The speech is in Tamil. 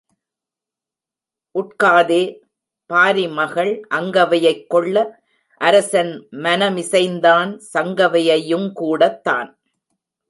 உட்காதே—பாரிமகள் அங்கவையைக் கொள்ள அரசன் மனமிசைந்தான் சங்கவையை யுங்கூடத் தான்.